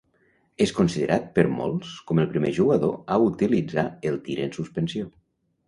És considerat per molts com el primer jugador a utilitzar el tir en suspensió.